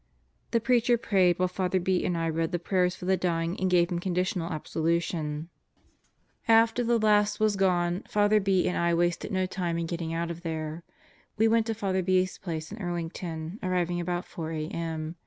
The Preacher prayed while Father B. and I read the prayers for the dying and gave him conditional absolution. 208 Epilogue After the last was gone, Father B. and I wasted no time in getting out of there. We went to Father B.'s place in Earlington, arriving about 4 a.m.